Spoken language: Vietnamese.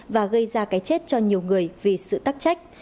và gây ra cái chết cho nhiều người vì sự tắc trách